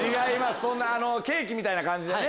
ケーキみたいな感じでね。